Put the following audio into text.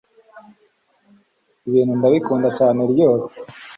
ibibintu ndabikunda cyane ryose